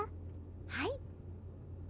はい？